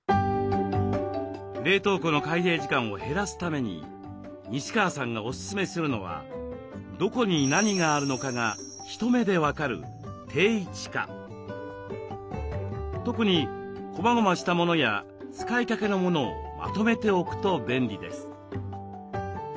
冷凍庫の開閉時間を減らすために西川さんがおすすめするのはどこに何があるのかが一目で分かる特にこまごましたものや使いかけのものをまとめておくと便利です。